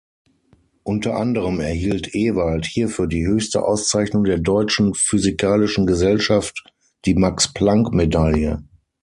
Unter anderem erhielt Ewald hierfür die höchste Auszeichnung der Deutschen Physikalischen Gesellschaft, die Max-Planck-Medaille.